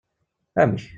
Amek!